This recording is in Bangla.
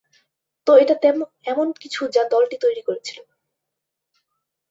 তো, এটা এমন কিছু যা দলটি তৈরি করেছিল।